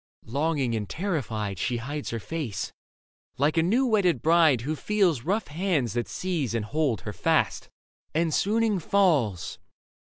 Longing and terrified, She hides her face, like a new wedded bride Who feels rough hands that seize and hold her fast ; And swooning falls.